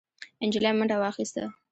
نجلۍ منډه واخيسته،